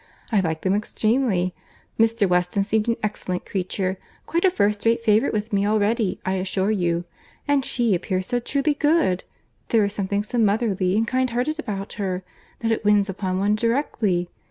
I like them extremely. Mr. Weston seems an excellent creature—quite a first rate favourite with me already, I assure you. And she appears so truly good—there is something so motherly and kind hearted about her, that it wins upon one directly.